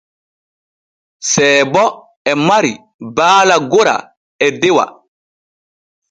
Seebo e mari baala gora e dewa.